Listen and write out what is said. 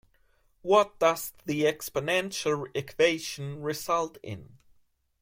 What does the exponential equation result in?